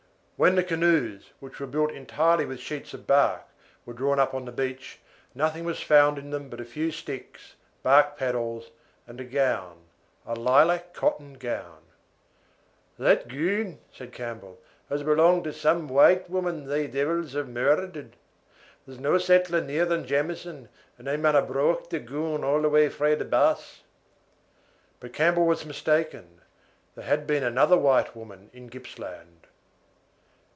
When the canoes, which were built entirely with sheets of bark, were drawn up on the beach, nothing was found in them but a few sticks, bark paddles, and a gown a lilac cotton gown. "That goon," said Campbell, "has belonged to some white woman thae deevils have murdered. There is no settler nearer than Jamieson, and they maun ha brocht the goon a' the way frae the Bass." But Campbell was mistaken. There had been another white woman in Gippsland.